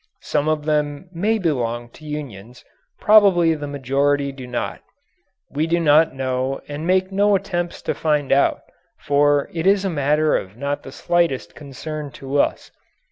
Some of them may belong to unions, probably the majority do not. We do not know and make no attempt to find out, for it is a matter of not the slightest concern to us.